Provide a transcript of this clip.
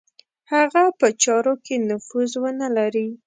هغه په چارو کې نفوذ ونه لري.